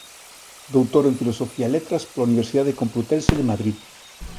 Doutor en Filosofía e Letras pola Universidade Complutense de Madrid.